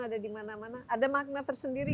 ada dimana mana ada makna tersendiri